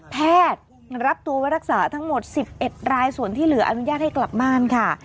แพทย์รับตัวไว้รักษาทั้งหมด๑๑รายส่วนที่เหลืออนุญาตให้กลับบ้านค่ะ